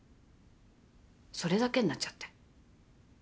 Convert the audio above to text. それだけになっちゃって。